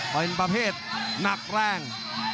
เป็นประเภทหนักแรง